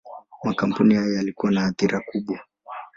Makampuni haya yalikuwa na athira kubwa.